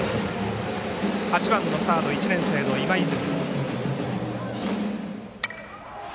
８番のサード、１年生の今泉。